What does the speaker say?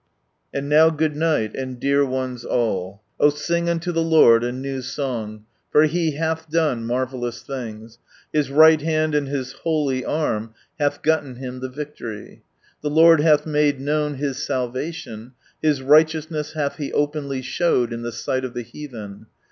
And now good night, and dear ones all —" Oh, sing untu the Lord a new song, For lie hath done marvellous things. His right hand and His holy arm Hath gotten Him the victory! The Lord hath made known I^ salvation, His righteousness hath He openly showed in the sight of the heathen.